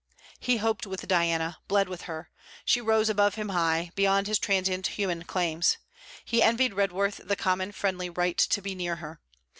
He hoped with Diana, bled with her. She rose above him high, beyond his transient human claims. He envied Redworth the common friendly right to be near her.